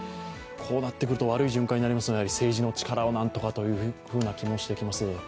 こうなってくると悪い循環になりますので政治の力を何とかという気もしてきます。